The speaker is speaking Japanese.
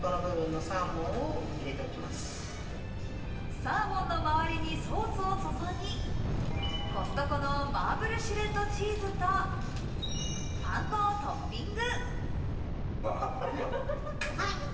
サーモンの周りにソースを注ぎ、コストコのマーブルシュレッドチーズとパン粉をトッピング。